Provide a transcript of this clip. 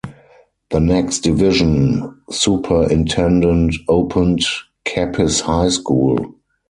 The next division superintendent opened Capiz High School.